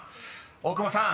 ［大久保さん